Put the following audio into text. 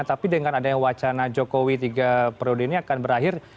tapi dengan adanya wacana jokowi tiga periode ini akan berakhir